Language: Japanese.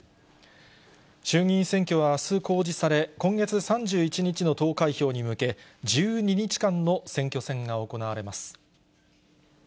衆議院選挙はあす公示され、今月３１日の投開票に向け、１２日間の選挙戦が行われます。